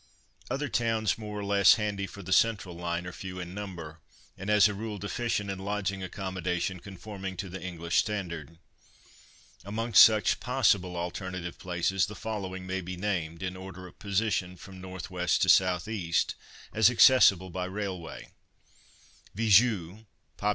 Other towns more or less handy for the central line are few in number, and as a rule deficient in lodging accommodation conforming to the English standard. Amongst such possible alternative places the following may be named (in order of position from N.W. to S.E.) as accessible by railway:— VIZEU (pop.